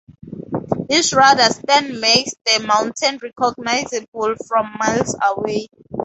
This radar stand makes the mountain recognizable from miles away.